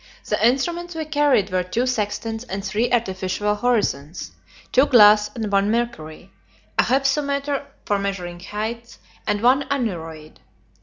The instruments we carried were two sextants and three artificial horizons two glass and one mercury a hypsometer for measuring heights, and one aneroid.